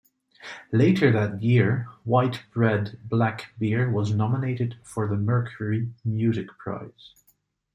Later that year, "White Bread, Black Beer" was nominated for the Mercury Music Prize.